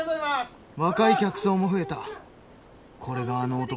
若い客層も増えた。